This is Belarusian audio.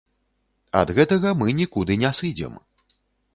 Ад гэтага мы нікуды не сыдзем.